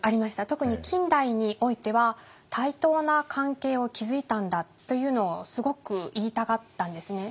特に近代においては対等な関係を築いたんだというのをすごく言いたがったんですね。